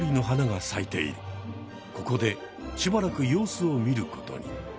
ここでしばらく様子を見ることに。